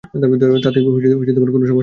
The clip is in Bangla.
তাতে সমস্যা নেই।